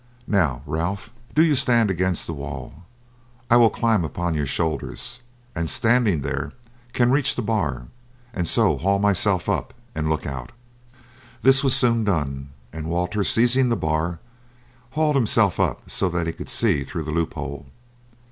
Now, Ralph, do you stand against the wall. I will climb upon your shoulders, and standing there can reach the bar, and so haul myself up and look out." This was soon done, and Walter seizing the bar, hauled himself up so that he could see through the loophole.